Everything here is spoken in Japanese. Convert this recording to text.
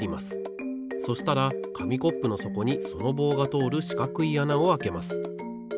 そしたらかみコップのそこにその棒がとおるしかくいあなをあけます。